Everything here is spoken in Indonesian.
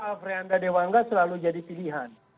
alfred andadewangga selalu jadi pilihan